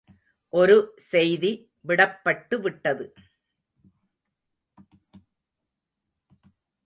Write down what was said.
ஒரு செய்தி விடப்பட்டுவிட்டது.